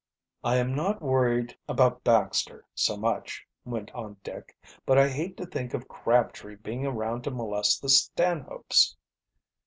"I am not worried about Baxter so much," went on Dick. "But I hate to think of Crabtree being around to molest the Stanhopes."